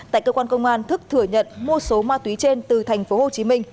tại cơ quan công an thức thừa nhận mua số ma túy trên từ thành phố hồ chí minh